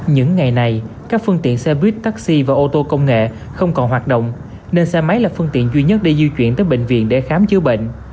những ngày này các phương tiện xe buýt taxi và ô tô công nghệ không còn hoạt động nên xe máy là phương tiện duy nhất để di chuyển tới bệnh viện để khám chữa bệnh